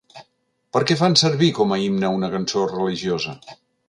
Per què fan servir com a himne una cançó religiosa?